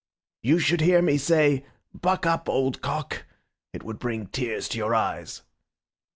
You should hear me say, 'Buck up, old cock!' It would bring tears to your eyes."